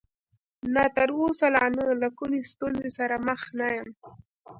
نه، تر اوسه لا نه، له کومې ستونزې سره مخ نه یم.